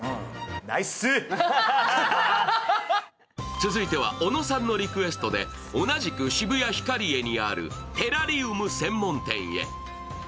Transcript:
続いては、小野さんのリクエストで、同じく渋谷ヒカリエにあるテラリウム専門店へ。